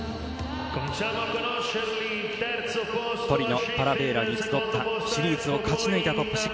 トリノ・パラヴェーラーに集ったシリーズを勝ち抜いたトップ６。